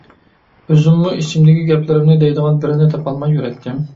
ئۆزۈممۇ ئىچىمدىكى گەپلىرىمنى دەيدىغان بىرىنى تاپالماي يۈرەتتىم.